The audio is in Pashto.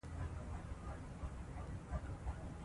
د افغانستان په منظره کې چار مغز ښکاره ده.